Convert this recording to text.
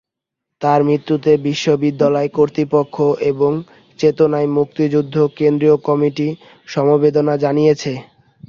তাঁর মৃত্যুতে বিশ্ববিদ্যালয় কর্তৃপক্ষ এবং চেতনায় মুক্তিযুদ্ধ কেন্দ্রীয় কমিটি সমবেদনা জানিয়েছে।